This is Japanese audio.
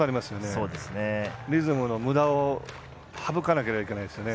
リズムのムラを省かなければいけないですよね。